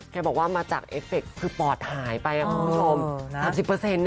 แค่บอกว่ามาจากเอฟเฟกต์คือปอดหายไปครับคุณผู้ชม